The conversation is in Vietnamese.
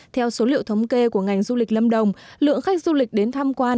theo số liệu thống kê của ngành du lịch lâm đồng lượng khách du lịch đến tham quan